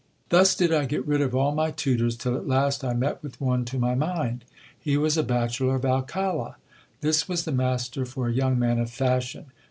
Thus did I get rid of all my tutors, till at last I met with one to my mind. He was a bachelor of Alcala. This was the master for a young man of fashion.